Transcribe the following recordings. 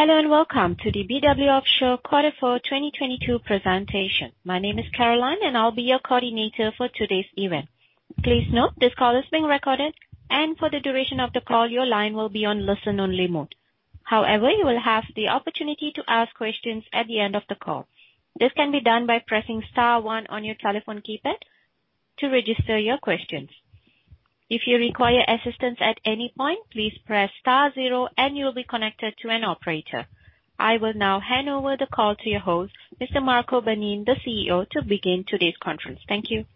Hello, welcome to the BW Offshore Q4 2022 presentation. My name is Caroline, and I'll be your coordinator for today's event. Please note this call is being recorded, and for the duration of the call, your line will be on listen only mode. However, you will have the opportunity to ask questions at the end of the call. This can be done by pressing star one on your telephone keypad to register your questions. If you require assistance at any point, please press star zero and you'll be connected to an operator. I will now hand over the call to your host, Mr. Marco Beenen, the CEO, to begin today's conference. Thank you.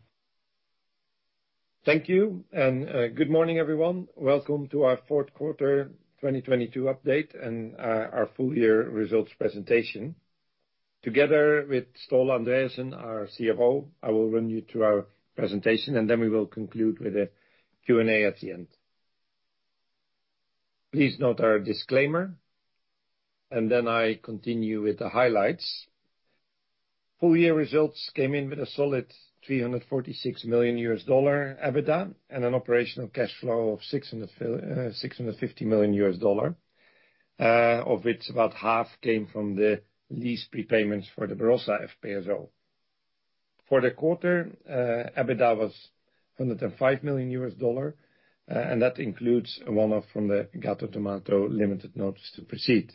Thank you. Good morning, everyone. Welcome to our Q4 2022 update and our full year results presentation. Together with Ståle Andreassen, our CFO, I will run you through our presentation, and then we will conclude with a Q&A at the end. Please note our disclaimer, and then I continue with the highlights. Full year results came in with a solid $346 million EBITDA and an operational cash flow of $650 million, of which about half came from the lease prepayments for the Barossa FPSO. For the quarter, EBITDA was $105 million, and that includes a one-off from the Gato do Mato Limited Notice to Proceed,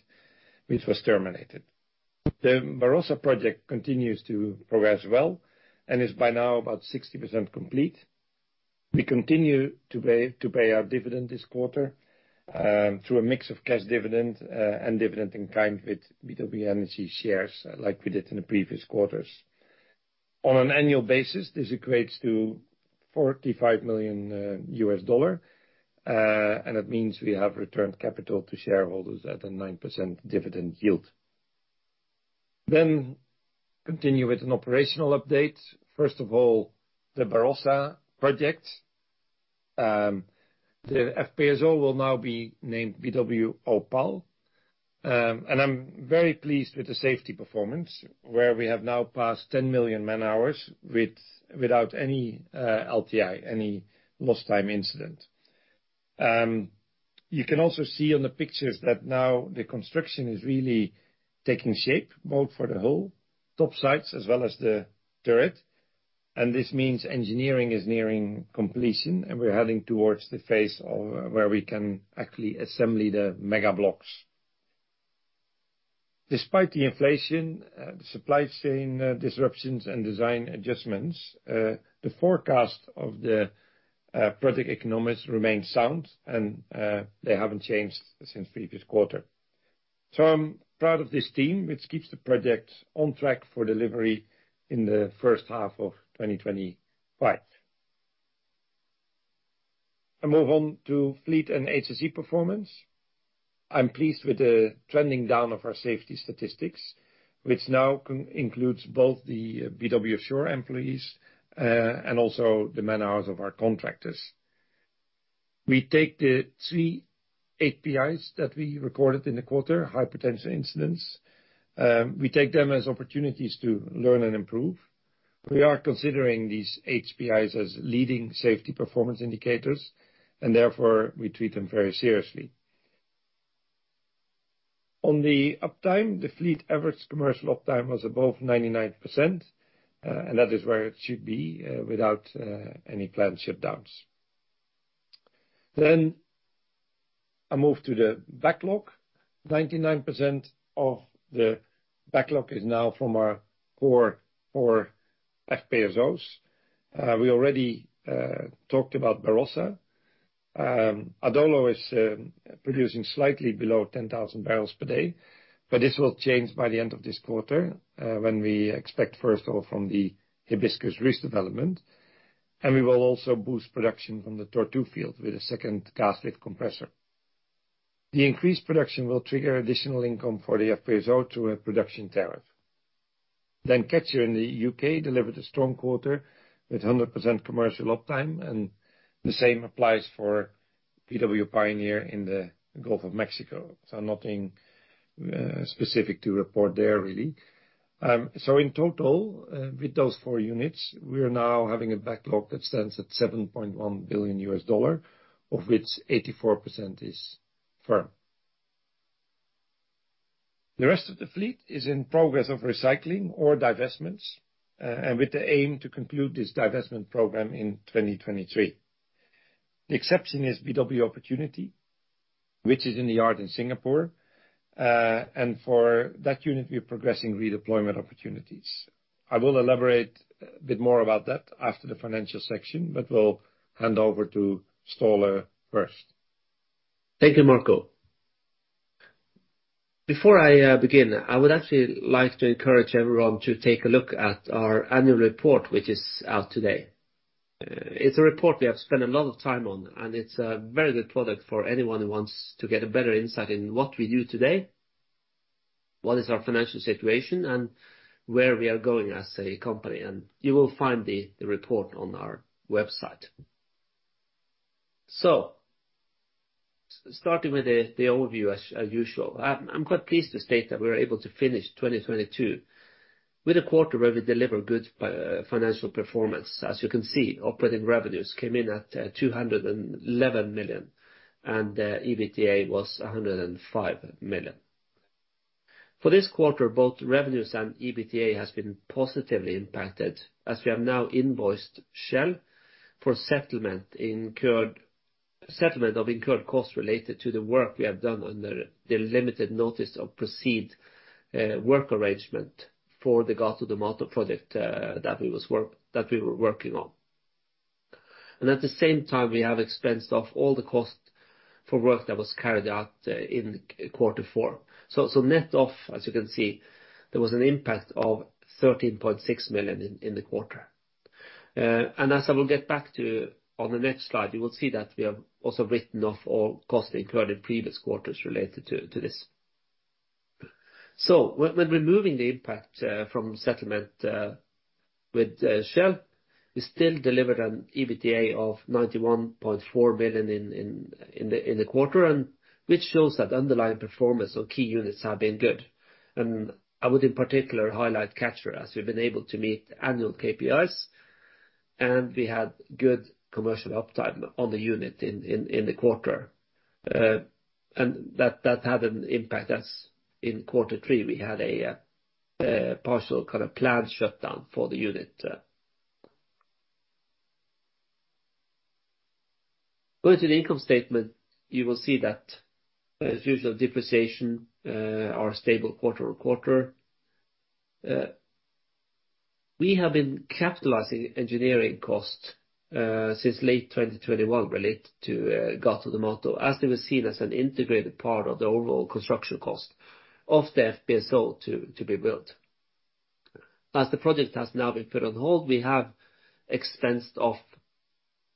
which was terminated. The Barossa project continues to progress well and is by now about 60% complete. We continue to pay our dividend this quarter through a mix of cash dividend and dividend in kind with BW Energy shares like we did in the previous quarters. On an annual basis, this equates to $45 million, and it means we have returned capital to shareholders at a 9% dividend yield. Continue with an operational update. First of all, the Barossa project. The FPSO will now be named BW Opal. I'm very pleased with the safety performance, where we have now passed 10 million man hours without any LTI, any lost time incident. You can also see on the pictures that now the construction is really taking shape, both for the whole topsides as well as the turret. This means engineering is nearing completion, and we're heading towards the phase of where we can actually assemble the mega blocks. Despite the inflation, the supply chain disruptions and design adjustments, the forecast of the project economics remains sound and they haven't changed since previous quarter. I'm proud of this team, which keeps the project on track for delivery in the H1 of 2025. I move on to fleet and HSE performance. I'm pleased with the trending down of our safety statistics, which now includes both the BW Offshore employees and also the man-hours of our contractors. We take the three HPIs that we recorded in the quarter, high potential incidents, we take them as opportunities to learn and improve. We are considering these HPIs as leading safety performance indicators and therefore we treat them very seriously. On the uptime, the fleet average commercial uptime was above 99%, that is where it should be, without any planned shutdowns. I move to the backlog. 99% of the backlog is now from our core four FPSOs. We already talked about Barossa. Adolo is producing slightly below 10,000 barrels per day, this will change by the end of this quarter, when we expect first oil from the Hibiscus ridge development, we will also boost production from the Tortue field with a second gas lift compressor. The increased production will trigger additional income for the FPSO through a production tariff. Catcher in the UK delivered a strong quarter with 100% commercial uptime, the same applies for BW Pioneer in the Gulf of Mexico, nothing specific to report there really. In total, with those four units, we are now having a backlog that stands at $7.1 billion of which 84% is firm. The rest of the fleet is in progress of recycling or divestments, and with the aim to conclude this divestment program in 2023. The exception is BW Opportunity, which is in the yard in Singapore. For that unit, we're progressing redeployment opportunities. I will elaborate a bit more about that after the financial section, but we'll hand over to Ståle first. Thank you, Marco. Before I actually like to encourage everyone to take a look at our annual report, which is out today. It's a report we have spent a lot of time on, and it's a very good product for anyone who wants to get a better insight in what we do today, what is our financial situation, and where we are going as a company, and you will find the report on our website. Starting with the overview as usual, I'm quite pleased to state that we were able to finish 2022 with a quarter where we deliver good financial performance. As you can see, operating revenues came in at $211 million, and EBITDA was $105 million. For this quarter, both revenues and EBITDA has been positively impacted as we have now invoiced Shell for settlement in incurred Settlement of incurred costs related to the work we have done under the Limited Notice to Proceed work arrangement for the Gato do Mato project that we were working on. At the same time, we have expensed off all the costs for work that was carried out in quarter four. Net off, as you can see, there was an impact of $13.6 million in the quarter. As I will get back to on the next slide, you will see that we have also written off all costs incurred in previous quarters related to this. When removing the impact from settlement with Shell, we still delivered an EBITDA of $91.4 million in the quarter, which shows that underlying performance of key units have been good. I would in particular highlight Catcher, as we've been able to meet annual KPIs, and we had good commercial uptime on the unit in the quarter. That had an impact, as in quarter three, we had a partial kind of planned shutdown for the unit. Going to the income statement, you will see that as usual depreciation are stable quarter to quarter. We have been capitalizing engineering costs since late 2021 related to Gato do Mato, as it was seen as an integrated part of the overall construction cost of the FPSO to be built. As the project has now been put on hold, we have expensed off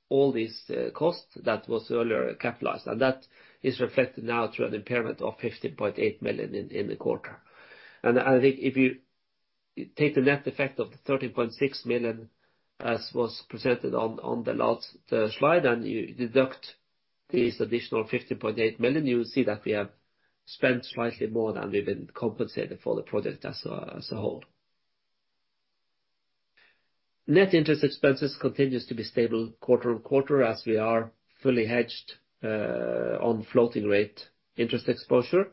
all these costs that was earlier capitalized, and that is reflected now through an impairment of $15.8 million in the quarter. I think if you take the net effect of the $13.6 million, as was presented on the last slide, and you deduct this additional $15.8 million, you will see that we have spent slightly more than we've been compensated for the project as a whole. Net interest expenses continues to be stable quarter and quarter as we are fully hedged on floating rate interest exposure.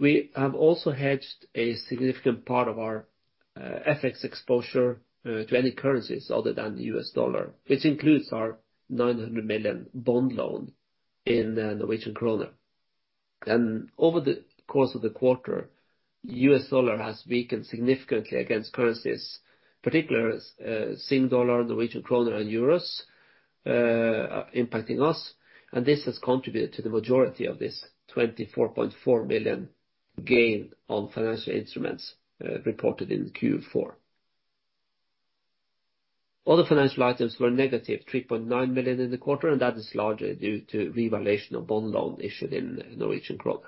We have also hedged a significant part of our FX exposure to any currencies other than the US dollar, which includes our 900 million bond loan in the Norwegian kroner. Over the course of the quarter, US dollar has weakened significantly against currencies, particularly, Sing dollar, Norwegian kroner and euros, impacting us, and this has contributed to the majority of this $24.4 million gain on financial instruments reported in Q4. Other financial items were -$3.9 million in the quarter, and that is largely due to revaluation of bond loan issued in Norwegian kroner.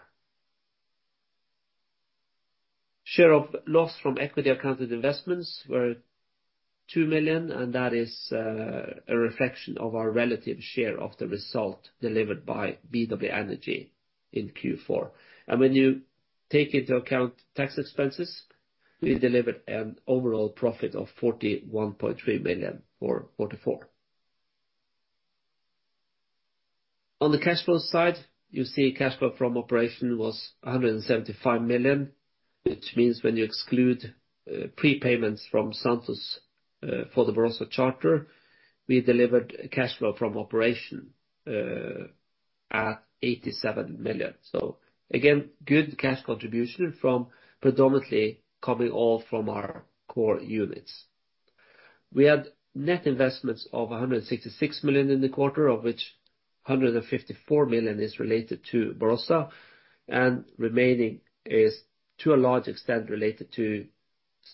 Share of loss from equity accounted investments were $2 million. That is a reflection of our relative share of the result delivered by BW Energy in Q4. When you take into account tax expenses, we delivered an overall profit of $41.3 million for forty-four. On the cash flow side, you see cash flow from operation was $175 million, which means when you exclude prepayments from Santos for the Barossa charter, we delivered cash flow from operation at $87 million. Again, good cash contribution from predominantly coming all from our core units. We had net investments of $166 million in the quarter, of which $154 million is related to Barossa. Remaining is, to a large extent, related to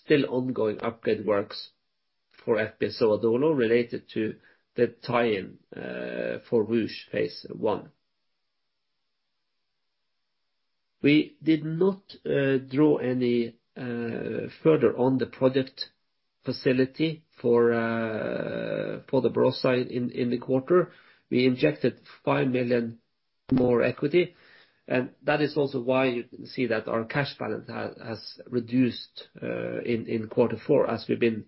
still ongoing upgrade works for FPSO BW Adolo related to the tie-in for Ruche Phase 1. We did not draw any further on the project facility for the Barossa in the quarter. We injected $5 million more equity, that is also why you can see that our cash balance has reduced in quarter four, as we've been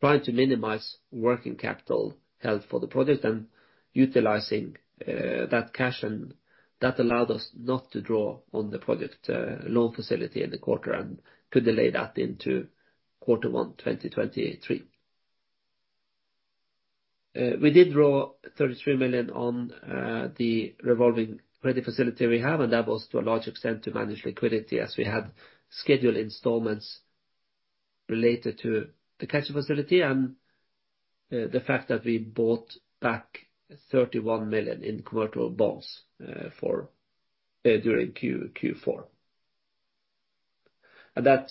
trying to minimize working capital held for the project and utilizing that cash. That allowed us not to draw on the project loan facility in the quarter and to delay that into quarter one 2023. We did draw $33 million on the revolving credit facility we have. That was to a large extent to manage liquidity as we had scheduled installments related to the BW Catcher facility and the fact that we bought back $31 million in convertible bonds during Q4. That,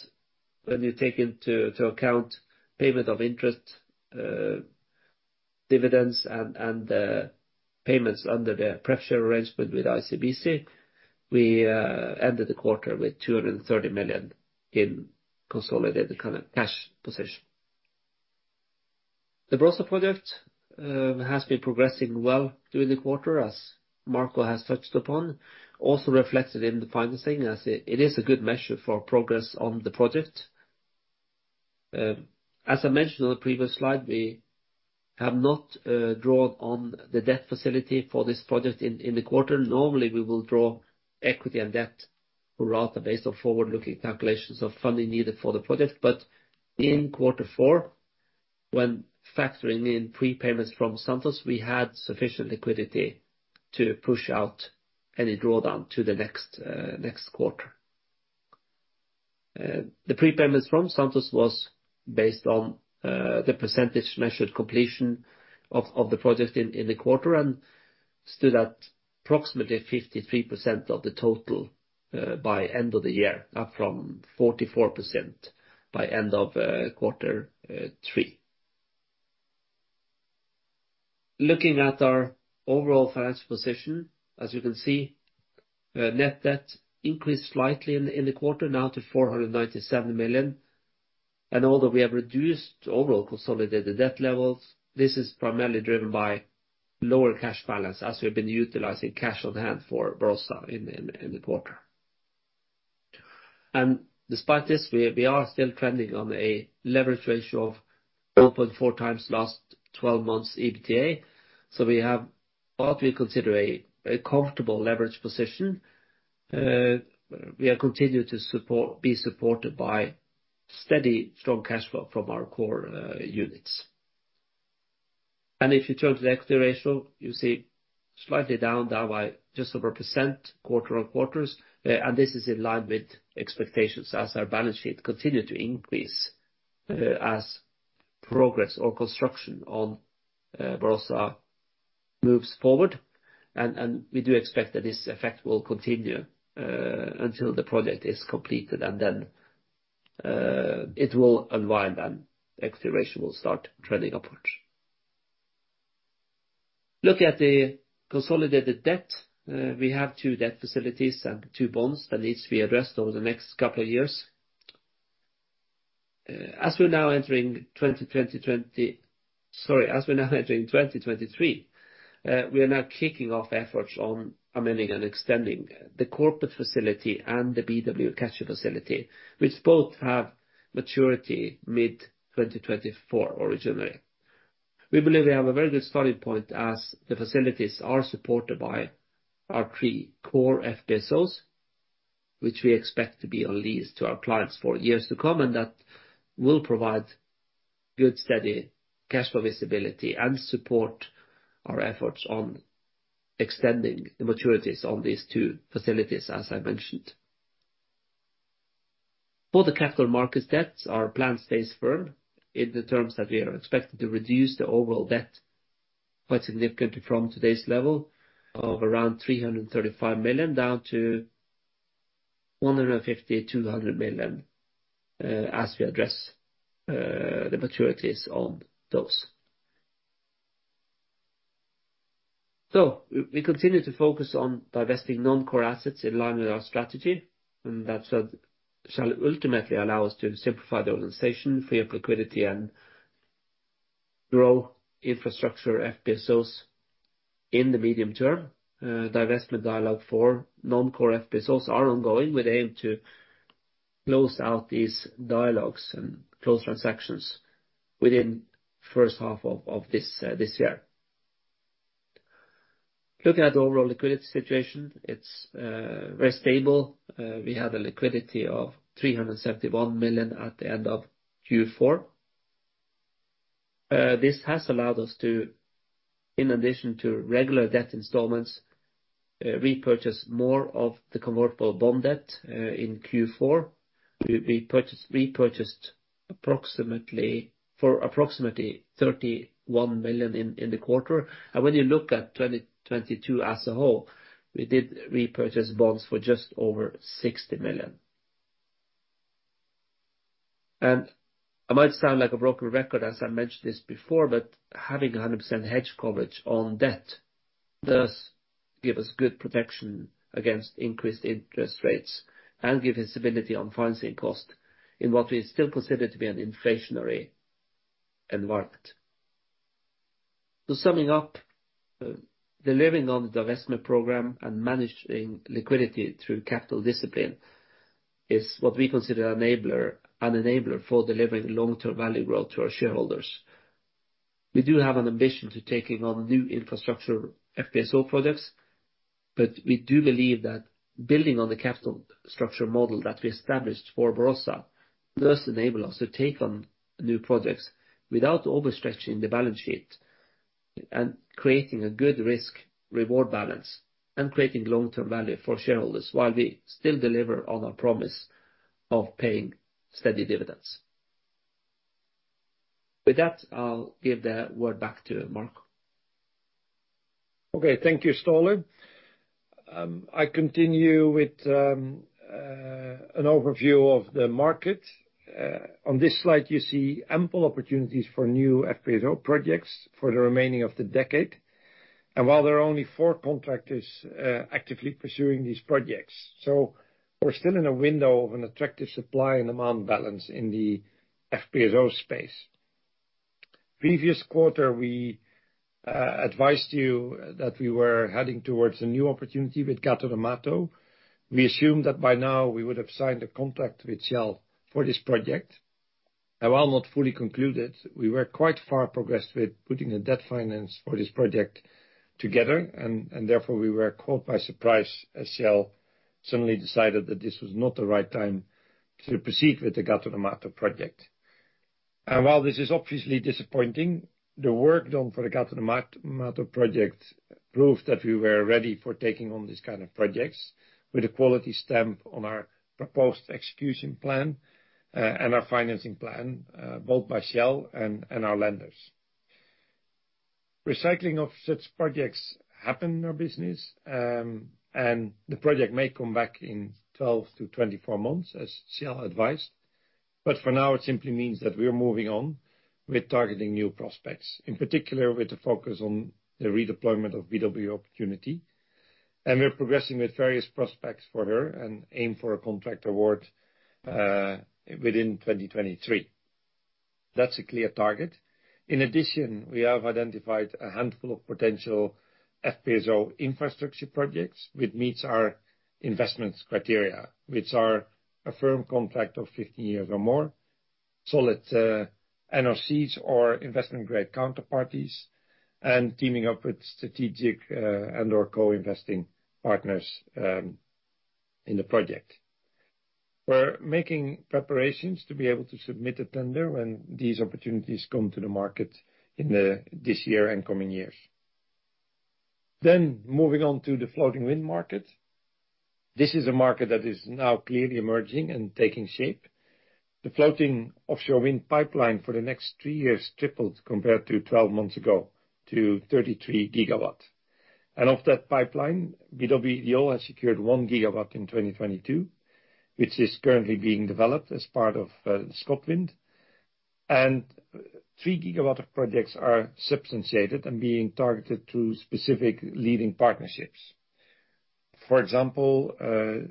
when you take into account payment of interest, dividends and payments under the pressure arrangement with ICBC, we ended the quarter with $230 million in consolidated kind of cash position. The Barossa project has been progressing well during the quarter, as Marco has touched upon. Also reflected in the financing, as it is a good measure for progress on the project. As I mentioned on the previous slide, we have not drawn on the debt facility for this project in the quarter. Normally, we will draw equity and debt throughout the base of forward-looking calculations of funding needed for the project. In quarter four, when factoring in prepayments from Santos, we had sufficient liquidity to push out any drawdown to the next quarter. The prepayments from Santos was based on the percentage measured completion of the project in the quarter and stood at approximately 53% of the total by end of the year, up from 44% by end of quarter three. Looking at our overall financial position, as you can see, net debt increased slightly in the quarter, now to $497 million. Although we have reduced overall consolidated debt levels, this is primarily driven by lower cash balance, as we've been utilizing cash on hand for Barossa in the quarter. Despite this, we are still trending on a leverage ratio of 1.4x last 12 months EBITDA. We have what we consider a comfortable leverage position. We are be supported by steady, strong cash flow from our core units. If you turn to the equity ratio, you see slightly down by just over 1% quarter-on-quarter. This is in line with expectations as our balance sheet continue to increase as progress or construction on Barossa moves forward. We do expect that this effect will continue until the project is completed, and then it will unwind and equity ratio will start trending upwards. Looking at the consolidated debt, we have two debt facilities and two bonds that needs to be addressed over the next couple of years. As we're now entering 2023, we are now kicking off efforts on amending and extending the corporate facility and the BW Catcher facility, which both have maturity mid-2024 originally. We believe we have a very good starting point as the facilities are supported by our three core FPSOs, which we expect to be on lease to our clients for years to come, and that will provide good, steady cash flow visibility and support our efforts on extending the maturities on these two facilities, as I mentioned. For the capital markets debts, our plan stays firm in the terms that we are expected to reduce the overall debt quite significantly from today's level of around $335 million down to $150 million-$200 million as we address the maturities on those. We continue to focus on divesting non-core assets in line with our strategy, and that shall ultimately allow us to simplify the organization, free up liquidity, and grow infrastructure FPSOs in the medium term. Divestment dialogue for non-core FPSOs are ongoing. We aim to close out these dialogues and close transactions within H1 of this year. Looking at the overall liquidity situation, it's very stable. We have a liquidity of $371 million at the end of Q4. This has allowed us to, in addition to regular debt installments, repurchase more of the convertible bond debt in Q4. We repurchased approximately $31 million in the quarter. When you look at 2022 as a whole, we did repurchase bonds for just over $60 million. I might sound like a broken record, as I mentioned this before, but having 100% hedge coverage on debt does give us good protection against increased interest rates and give visibility on financing cost in what we still consider to be an inflationary environment. Summing up, delivering on the divestment program and managing liquidity through capital discipline is what we consider an enabler for delivering long-term value growth to our shareholders. We do have an ambition to taking on new infrastructure FPSO projects. We do believe that building on the capital structure model that we established for Barossa does enable us to take on new projects without overstretching the balance sheet and creating a good risk-reward balance and creating long-term value for shareholders while we still deliver on our promise of paying steady dividends. With that, I'll give the word back to Marco. Thank you, Ståle. I continue with an overview of the market. On this slide, you see ample opportunities for new FPSO projects for the remaining of the decade. While there are only four contractors actively pursuing these projects, we're still in a window of an attractive supply and demand balance in the FPSO space. Previous quarter, we advised you that we were heading towards a new opportunity with Gato do Mato. We assumed that by now we would have signed a contract with Shell for this project. While not fully concluded, we were quite far progressed with putting the debt finance for this project together, therefore we were caught by surprise as Shell suddenly decided that this was not the right time to proceed with the Gato do Mato project. While this is obviously disappointing, the work done for the Gato do Mato project proved that we were ready for taking on these kind of projects with a quality stamp on our proposed execution plan and our financing plan, both by Shell and our lenders. Recycling of such projects happen in our business, and the project may come back in 12-24 months, as Shell advised. For now, it simply means that we are moving on with targeting new prospects, in particular with the focus on the redeployment of BW Opportunity. We're progressing with various prospects for her and aim for a contract award within 2023. That's a clear target. We have identified a handful of potential FPSO infrastructure projects which meets our investments criteria, which are a firm contract of 15 years or more, solid NOCs or investment-grade counterparties, and teaming up with strategic and/or co-investing partners in the project. We're making preparations to be able to submit a tender when these opportunities come to the market in this year and coming years. Moving on to the floating wind market. This is a market that is now clearly emerging and taking shape. The floating offshore wind pipeline for the next three years tripled compared to 12 months ago, to 33 GW. Of that pipeline, BW Ideol has secured 1 GW in 2022, which is currently being developed as part of ScotWind. 3 GW of projects are substantiated and being targeted to specific leading partnerships. For example, the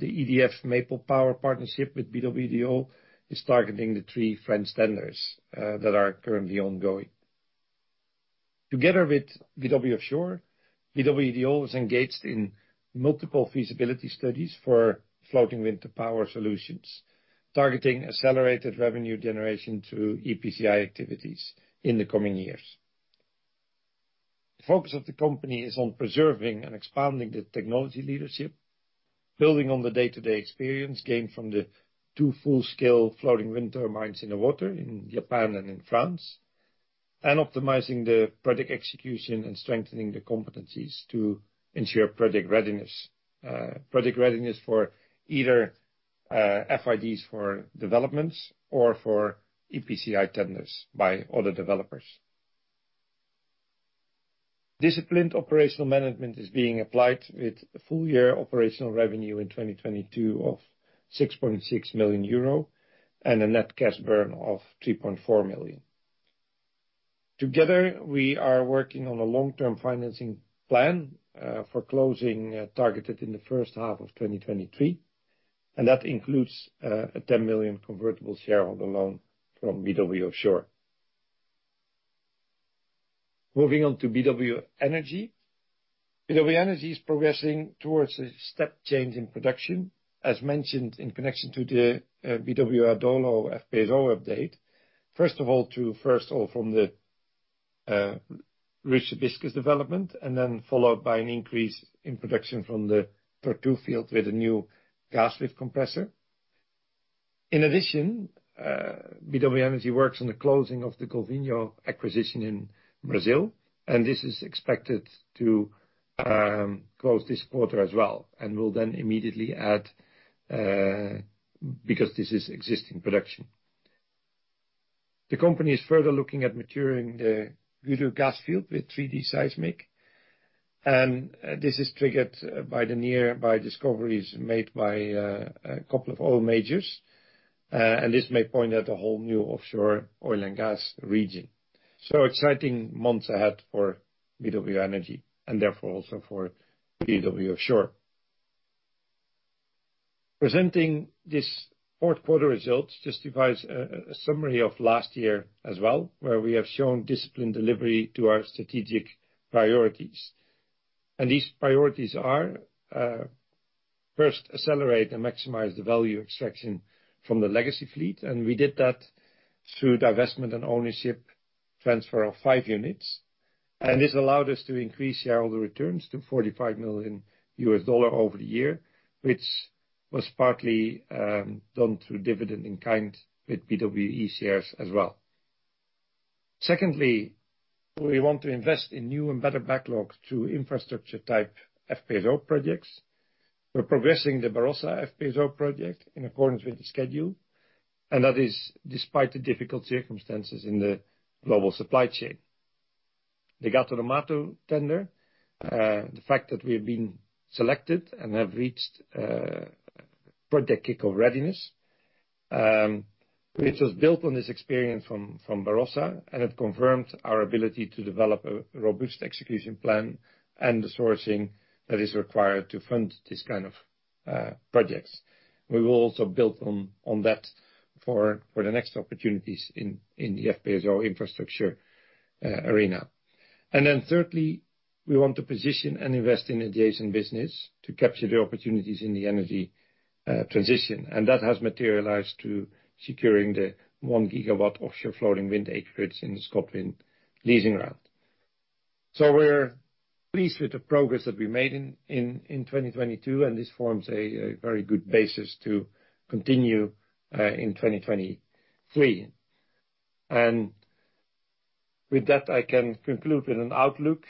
EDF Renewables and Maple Power partnership with BW Ideol is targeting the three French tenders that are currently ongoing. Together with BW Offshore, BW Ideol is engaged in multiple feasibility studies for floating wind turbine solutions, targeting accelerated revenue generation through EPCI activities in the coming years. The focus of the company is on preserving and expanding the technology leadership, building on the day-to-day experience gained from the two full-scale floating wind turbines in the water in Japan and in France, and optimizing the project execution and strengthening the competencies to ensure project readiness. Project readiness for either FIDs for developments or for EPCI tenders by other developers. Disciplined operational management is being applied with full year operational revenue in 2022 of 6.6 million euro and a net cash burn of 3.4 million. Together, we are working on a long-term financing plan for closing, targeted in the H1 of 2023, and that includes a $10 million convertible shareholder loan from BW Offshore. Moving on to BW Energy. BW Energy is progressing towards a step change in production, as mentioned in connection to the BW Adolo FPSO update. First of all, from the Hibiscus development, and then followed by an increase in production from the Tortue field with a new gas lift compressor. In addition, BW Energy works on the closing of the Golfinho acquisition in Brazil, and this is expected to close this quarter as well, and will then immediately add because this is existing production. The company is further looking at maturing the Guido gas field with 3D seismic. This is triggered by the nearby discoveries made by a couple of oil majors. This may point at a whole new offshore oil and gas region. Exciting months ahead for BW Energy, and therefore also for BW Offshore. Presenting this Q4 results justifies a summary of last year as well, where we have shown disciplined delivery to our strategic priorities. These priorities are, first, accelerate and maximize the value extraction from the legacy fleet, and we did that through divestment and ownership transfer of five units. This allowed us to increase shareholder returns to $45 million over the year, which was partly done through dividend in kind with BWE shares as well. Secondly, we want to invest in new and better backlogs through infrastructure type FPSO projects. We're progressing the Barossa FPSO project in accordance with the schedule. That is despite the difficult circumstances in the global supply chain. The Gato do Mato tender, the fact that we have been selected and have reached project kickoff readiness, which was built on this experience from Barossa. It confirmed our ability to develop a robust execution plan and the sourcing that is required to fund this kind of projects. We will also build on that for the next opportunities in the FPSO infrastructure arena. Thirdly, we want to position and invest in adjacent business to capture the opportunities in the energy transition. That has materialized to securing the 1 gigawatt offshore floating wind acreage in the Scotland leasing round. We're pleased with the progress that we made in 2022, and this forms a very good basis to continue in 2023. With that, I can conclude with an outlook.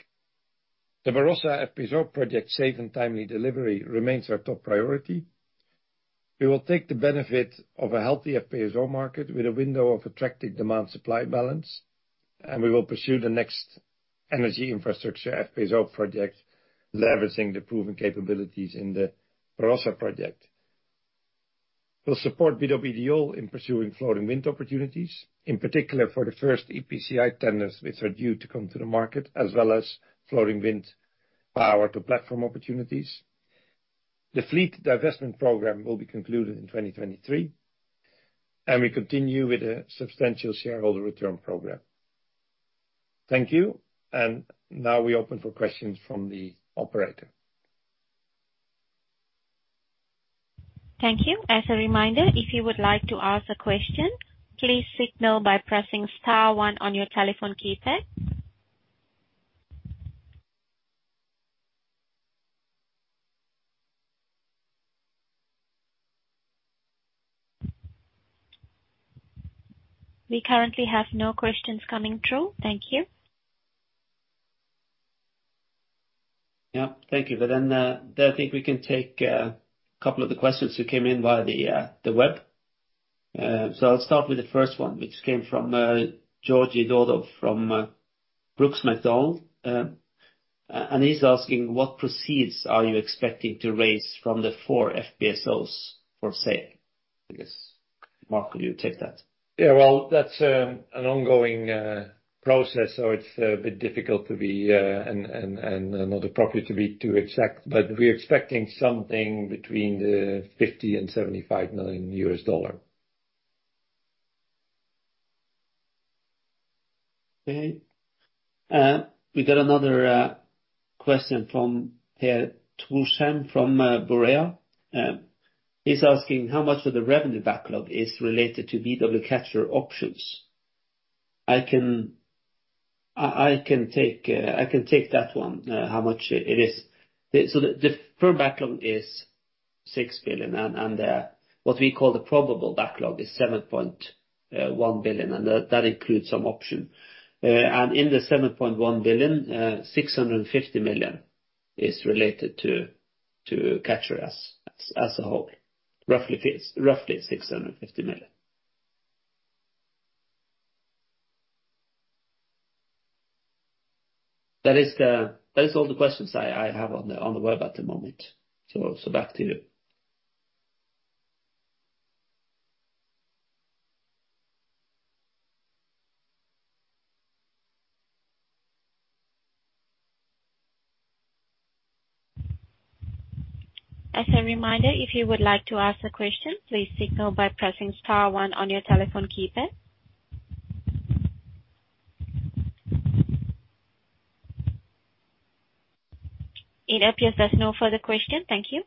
The Barossa FPSO project safe and timely delivery remains our top priority. We will take the benefit of a healthy FPSO market with a window of attractive demand supply balance, and we will pursue the next energy infrastructure FPSO project, leveraging the proven capabilities in the Barossa project. We'll support BW Ideol in pursuing floating wind opportunities, in particular for the first EPCI tenders which are due to come to the market, as well as floating wind power to platform opportunities. The fleet divestment program will be concluded in 2023, and we continue with a substantial shareholder return program. Thank you, and now we open for questions from the operator. Thank you. As a reminder, if you would like to ask a question, please signal by pressing star one on your telephone keypad. We currently have no questions coming through. Thank you. Yeah. Thank you. Then I think we can take a couple of the questions that came in via the web. I'll start with the first one, which came from Georgiy Dodov from Brooks Macdonald. He's asking, what proceeds are you expecting to raise from the four FPSOs for sale? I guess, Ståle, will you take that? Yeah, well, that's an ongoing process, so it's a bit difficult to be and not appropriate to be too exact. We're expecting something between $50 million and $75 million. Okay. We got another question from Tushem from Borea. He's asking how much of the revenue backlog is related to BW Catcher options. I can take that one, how much it is. The firm backlog is $6 billion and what we call the probable backlog is $7.1 billion, and that includes some option. And in the $7.1 billion, $650 million is related to Catcher as a whole. Roughly $650 million. That is all the questions I have on the web at the moment. Back to you. As a reminder, if you would like to ask a question, please signal by pressing star one on your telephone keypad. It appears there's no further question. Thank you.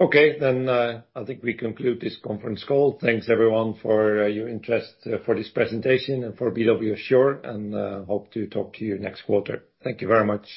Okay. I think we conclude this conference call. Thanks everyone for your interest for this presentation and for BW Offshore, and hope to talk to you next quarter. Thank you very much.